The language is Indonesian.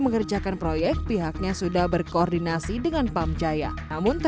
mengerjakan proyek pihaknya sudah berkoordinasi dengan pamjaya namun